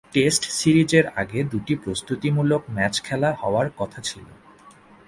Test সিরিজের আগে দুটি প্রস্তুতিমূলক ম্যাচ খেলা হওয়ার কথা ছিল।